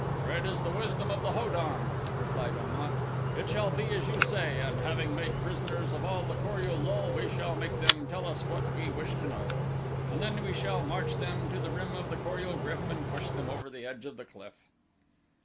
"Great is the wisdom of the Ho don," replied Om at. "It shall be as you say, and having made prisoners of all the Kor ul lul we shall make them tell us what we wish to know. And then we shall march them to the rim of Kor ul GRYF and push them over the edge of the cliff."